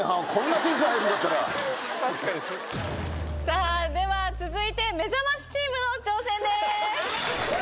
さあでは続いてめざましチームの挑戦です。